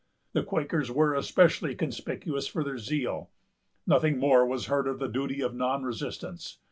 The Quakers were especially conspicuous for their zeal. Nothing more was heard of the duty of non resistance.